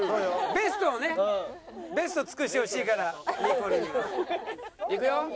ベストを尽くしてほしいからニコルには。いくよ。